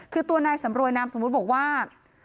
คือตัวนายสำรวยนามสมมุติบอกว่า